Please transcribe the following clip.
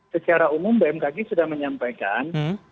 secara umum bmkg sudah menyampaikan